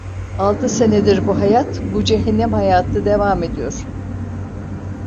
Altı senedir bu hayat, bu cehennem hayatı devam ediyor.